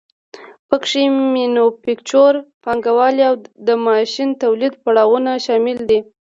پکې مینوفکچور پانګوالي او د ماشیني تولید پړاوونه شامل دي